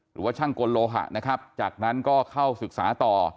หรือว่าช่างกลโลหะนะครับจากนั้นก็เข้าศึกษาต่อ